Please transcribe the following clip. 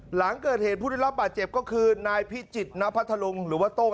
หลังเกิดเหตุผู้ได้รับบาดเจ็บก็คือนายพิจิตรนพัทธรุงหรือว่าโต้ง